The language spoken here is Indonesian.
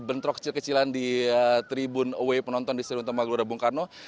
bentrok kecil kecilan di tribun away penonton di stadion utama gelora bung karno